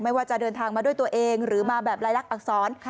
ว่าจะเดินทางมาด้วยตัวเองหรือมาแบบลายลักษณอักษร